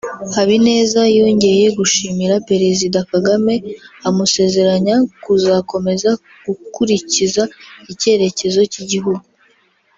Habineza yongeye gushimira Perezida Kagame amusezeranya kuzakomeza gukurikiza icyerekezo cy’igihugu